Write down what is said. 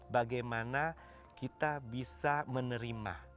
bagaimana kita bisa menerima